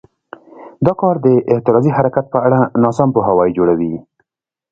دا کار د اعتراضي حرکت په اړه ناسم پوهاوی جوړوي.